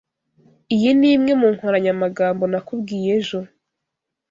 Iyi ni imwe mu nkoranyamagambo nakubwiye ejo.